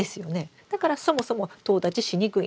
だからそもそもとう立ちしにくいんです。